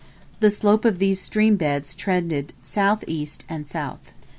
The slope of these stream beds trended south east and south.